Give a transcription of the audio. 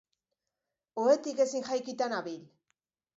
Ohetik ezin jaikita nabil.